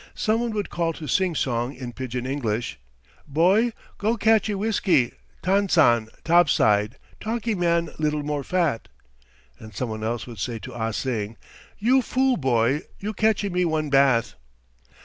Some one would call to Sing Song in pidgin English: "Boy! go catchy whiskey, Tansan; top side, talky man little more fat!" And some one else would say to Ah Sing, "You fool boy, you catchy me one bath."